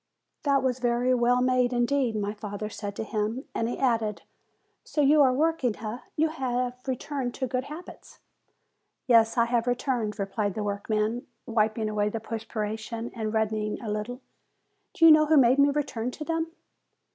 "That was very well made, indeed," my father said to him. And he added, "So you are working eh? You have returned to good habits?" "Yes, I have returned," replied the workman, wiping away the perspiration, and reddening a little. "And do you know who made me return to them?"